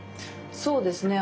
そうですね